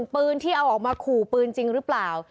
ปืนที่เอาออกมาขู่ปืนจริงหรือเปล่า